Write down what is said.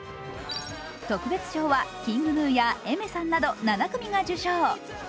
特別賞はＫｉｎｇＧｎｕやＡｉｍｅｒさんなど７組が受賞。